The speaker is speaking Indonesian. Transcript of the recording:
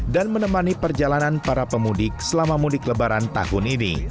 dan menemani perjalanan para pemudik selama mudik lebaran tahun ini